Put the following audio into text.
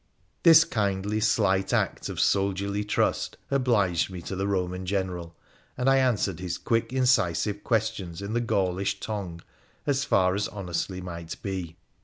This kindly slight act of soldierly trust obliged me to the Roman General, and I answered his quick, incisive questions in the Gaulish tongue as far as honestly might be.